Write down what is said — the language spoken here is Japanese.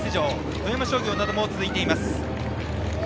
富山商業なども続いています。